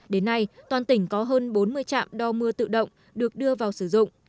đến nay toàn tỉnh có hơn bốn mươi trạm đo mưa tự động được đưa vào sử dụng